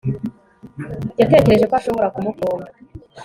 yatekereje ko ashobora kumukunda